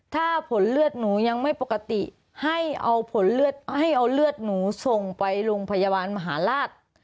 ถ้าผลเลือดหนูยังไม่ปกติให้เอาเลือดหนูส่งไปโรงพยาบาลมหาลาศ